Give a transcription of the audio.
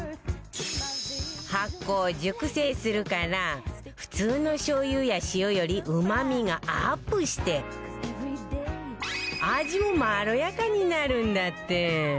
発酵熟成するから普通のしょう油や塩よりうまみがアップして味もまろやかになるんだって